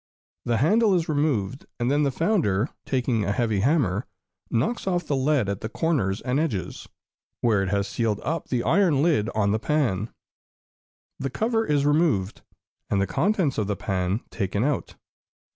The handle is removed, and then the founder, taking a heavy hammer, knocks off the lead at the corners and edges, where it has sealed up the iron lid on the pan. The cover is removed, and the contents of the pan taken out.